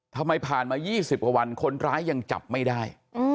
ผ่านมา๒๐กว่าวันคนร้ายยังจับไม่ได้